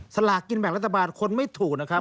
สลากกินแบ่งรัฐบาลคนไม่ถูกนะครับ